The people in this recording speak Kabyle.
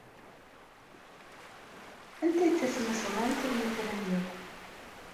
Anta ay d tasnasɣalt ay tram akk?